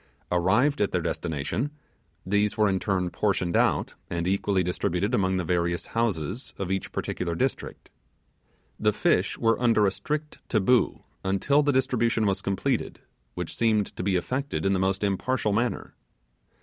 Arrived at their destination, these were in turn portioned out, and equally distributed among the various houses of each particular district. The fish were under a strict Taboo, until the distribution was completed, which seemed to be effected in the most impartial manner.